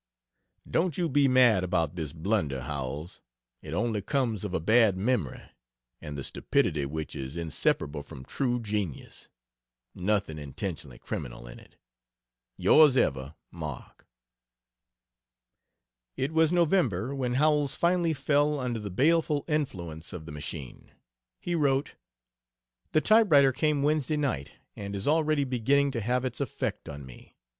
Don't you be mad about this blunder, Howells it only comes of a bad memory, and the stupidity which is inseparable from true genius. Nothing intentionally criminal in it. Yrs ever MARK. It was November when Howells finally fell under the baleful influence of the machine. He wrote: "The typewriter came Wednesday night, and is already beginning to have its effect on me.